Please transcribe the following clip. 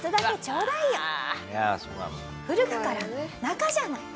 古くからの仲じゃない。